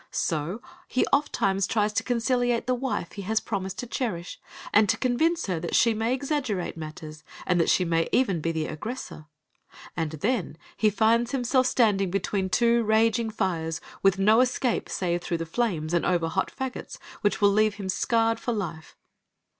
So, he ofttimes tries to conciliate the wife he has promised to cherish, and to convince her that she may exaggerate matters, and that she may even be the aggressor, and then he finds himself standing between two raging fires, with no escape save through flames, and over hot fagots, which will leave him scarred for life.